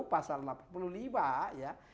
pasal delapan puluh lima ya